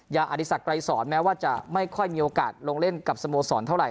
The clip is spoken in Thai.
อธิสักไกรสอนแม้ว่าจะไม่ค่อยมีโอกาสลงเล่นกับสโมสรเท่าไห